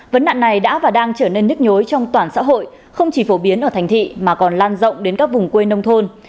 vấn nạn này đã và đang trở nên nhức nhối trong toàn xã hội không chỉ phổ biến ở thành thị mà còn lan rộng đến các vùng quê nông thôn